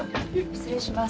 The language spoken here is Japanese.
失礼します。